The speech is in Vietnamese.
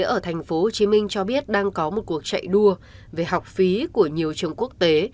ở thành phố hồ chí minh cho biết đang có một cuộc chạy đua về học phí của nhiều trường quốc tế